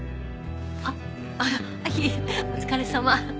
あっいえお疲れさま。